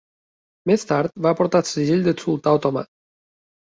Més tard, va portar el segell del sultà otomà.